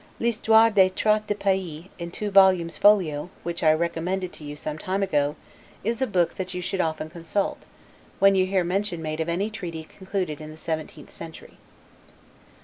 'L'Histoire des Traites de Paix', in two volumes, folio, which I recommended to you some time ago, is a book that you should often consult, when you hear mention made of any treaty concluded in the seventeenth century.